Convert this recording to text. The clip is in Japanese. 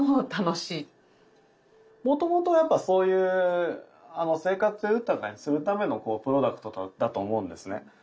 もともとやっぱそういう生活を豊かにするためのプロダクトだったと思うんですね。